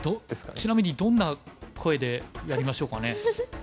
ちなみにどんな声でやりましょうかね？